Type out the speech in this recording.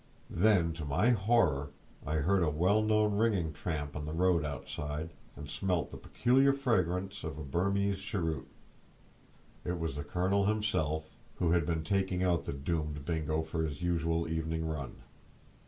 Then, to my horror, I heard a well known ringing tramp on the road outside, and smelled the peculiar fragrance of a Burmese cheroot. It was the colonel himself, who had been taking out the doomed Bingo for his usual evening run.